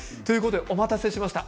お待たせしました。